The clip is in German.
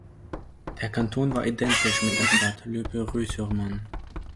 Der Kanton war identisch mit der Stadt Le Perreux-sur-Marne.